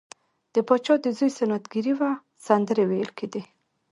د پاچا د زوی سنت ګیری وه سندرې ویل کیدې.